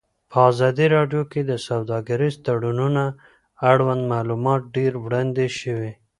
په ازادي راډیو کې د سوداګریز تړونونه اړوند معلومات ډېر وړاندې شوي.